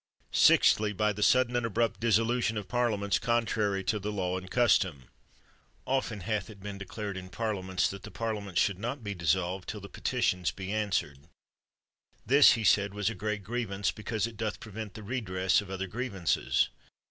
Sixthly, by the sudden and abrupt dissolution of parliaments, contrary to the law and custom. Often hath it been declared in parliaments, that the Parliament should not be dissolved till the petitions be answered. This (he said) was a great grievance because it doth prevent the redress of other grievances.